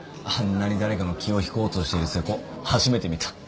あんなに誰かの気を引こうとしている瀬古初めて見た。